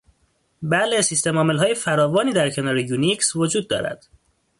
بله، سیستم عاملهای فراوانی در کنار یونیکس وجود دارد.